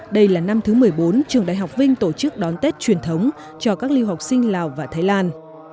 đây là năm thứ một mươi bốn trường đại học vinh tổ chức đón tết truyền thống cho các lưu học sinh lào và thái lan